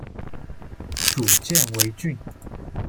属犍为郡。